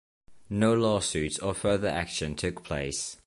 No lawsuits or further action took place.